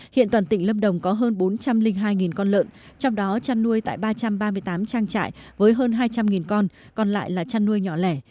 hiện toàn tỉnh lâm đồng có hơn bốn trăm linh hai con lợn trong đó chăn nuôi tại ba trăm ba mươi tám trang trại với hơn hai trăm linh con còn lại là chăn nuôi nhỏ lẻ